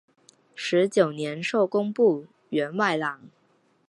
十九年授工部员外郎。